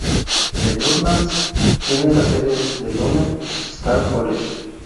The Woodlands tiene la sede de Lone Star College.